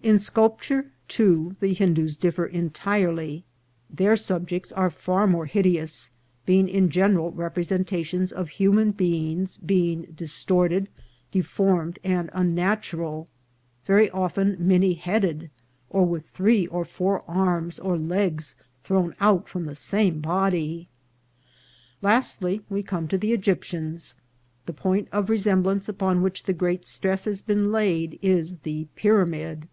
In sculpture, too, the Hindus differ entirely. Their ANOMALOUS CHARACTER OF THE RUINS. 439 subjects are far more hideous, being in general repre sentations of human beings distorted, deformed, and unnatural, very often many headed, or with three or four arms or legs thrown out from the same body. Lastly we come to the Egyptians. The point of re semblance upon which the great stress has been laid is the pyramid.